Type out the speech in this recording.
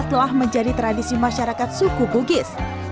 telah menjadi tradisi masyarakat suku bugis